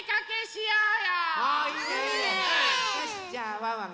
よしじゃあワンワン